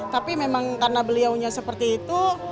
tapi memang karena beliaunya seperti itu